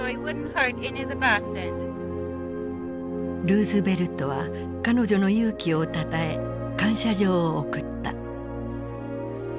ルーズベルトは彼女の勇気をたたえ感謝状を贈った。